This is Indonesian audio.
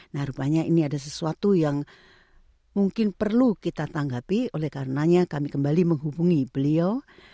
nah rupanya ini ada sesuatu yang mungkin perlu kita tanggapi oleh karenanya kami kembali menghubungi beliau